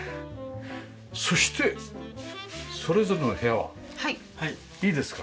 そしてそれぞれの部屋はいいですか？